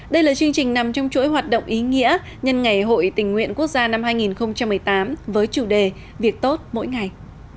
đây là chương trình nằm trong chuỗi hoạt động ý nghĩa nhân ngày hội tình nguyện quốc gia năm hai nghìn một mươi tám với chủ đề việc tốt mỗi ngày